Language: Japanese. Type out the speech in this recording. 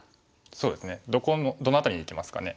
そうですねどの辺りにいきますかね。